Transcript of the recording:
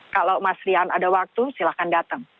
kalau mas rian ada waktu silahkan datang